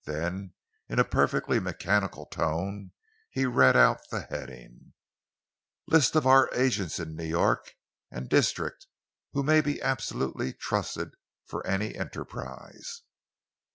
Then in a perfectly mechanical tone he read out the heading: "'List of our agents in New York and district who may be absolutely trusted for any enterprise.'"